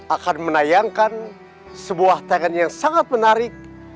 akan menayangkan sebuah tayangan yang sangat menarik